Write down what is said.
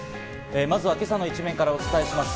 まずは今朝の一面からお伝えします。